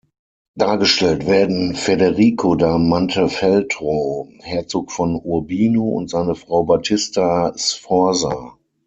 Dargestellt werden Federico da Montefeltro, Herzog von Urbino und seine Frau Battista Sforza.